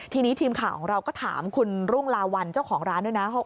ทีนี้ทีมข่าวของเราก็ถามคุณรุ่งลาวัลเจ้าของร้านด้วยนะ